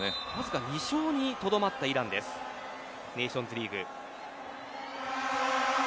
確かに２勝にとどまったイランですネーションズリーク。